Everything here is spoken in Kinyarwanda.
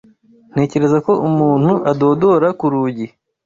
Ntekereza ko umuntu adodora ku rugi.